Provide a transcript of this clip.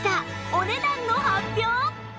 お値段の発表！